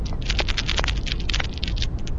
Jaioberriak beti dakar munduaren ordenaren aldaketa.